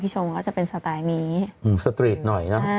พี่ชมมันจะเป็นสไตล์นี้อืมสตรีชหน่อยนะ